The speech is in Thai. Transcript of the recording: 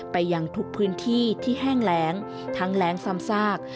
ไปยังทุกพื้นที่ที่แห้งแรงทั้งแรงซ้ำซาก